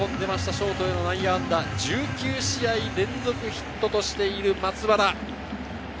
ショートへの内野安打、１９試合連続ヒットとしている松原。